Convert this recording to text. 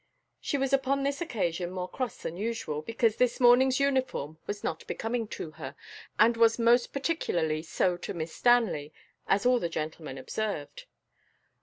She was upon this occasion more cross than usual, because this morning's uniform was not becoming to her, and was most particularly so to Miss Stanley, as all the gentlemen observed.